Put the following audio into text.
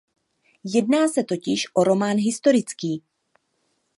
Jedná se totiž o román historický.